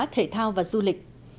thể thao và du lịch